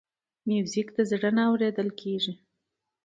موزیک له زړه نه اورېدل کېږي.